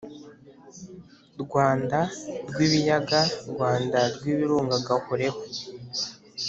rwanda rw’ibiyaga, rwanda rw’ibirunga gahoreho